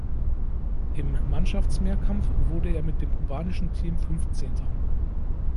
Im Mannschaftsmehrkampf wurde er mit dem kubanischen Team Fünfzehnter.